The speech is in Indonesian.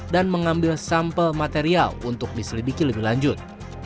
dan mengambil sampel material untuk diselidiki lebih lanjut